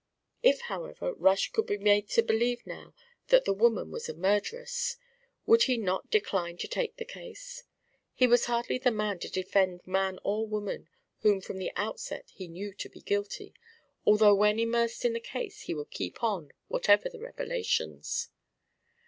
If, however, Rush could be made to believe now that the woman was a murderess, would he not decline to take the case? He was hardly the man to defend man or woman whom from the outset he knew to be guilty, although when immersed in the case he would keep on, whatever the revelations.